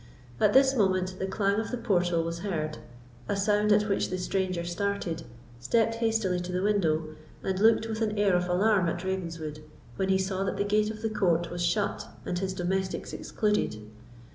At this moment the clang of the portal was heard, a sound at which the stranger started, stepped hastily to the window, and looked with an air of alarm at Ravenswood, when he saw that the gate of the court was shut, and his domestics excluded.